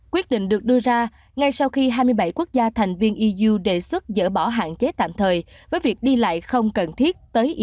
quyết định được đưa ra ngay sau khi hai mươi bảy quốc gia thành viên iuu đề xuất dỡ bỏ hạn chế tạm thời với việc đi lại không cần thiết tới iran